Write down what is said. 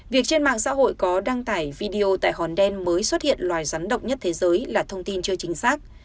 việc trên mạng xã hội có đăng tải video tại hòn đen mới xuất hiện loài rắn động nhất thế giới là thông tin chưa chính xác